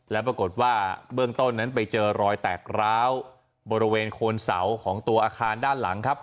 และปรากฏว่าเบื้องต้นนั้นไปเจอรอยแตกร้าวบริเวณโคนเสาของตัวอาคารด้านหลังครับ